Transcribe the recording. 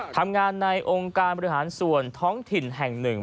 ทำงานในองค์การบริหารส่วนท้องถิ่นแห่งหนึ่ง